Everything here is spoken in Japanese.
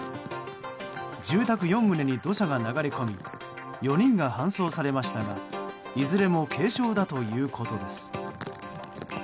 住宅４棟に土砂が流れ込み４人が搬送されましたがいずれも軽傷だということです。